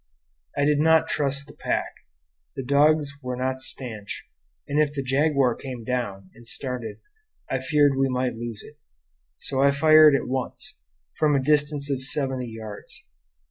I did not trust the pack; the dogs were not stanch, and if the jaguar came down and started I feared we might lose it. So I fired at once, from a distance of seventy yards.